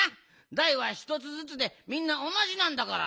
だいはひとつずつでみんなおなじなんだから。